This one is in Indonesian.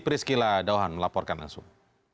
priskyla dohan melaporkan langsung